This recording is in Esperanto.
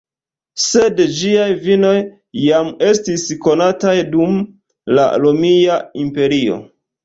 Sed ĝiaj vinoj jam estis konataj dum la Romia Imperio.